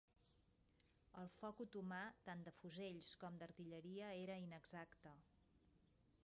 El foc otomà, tant de fusells com d'artilleria, era inexacte.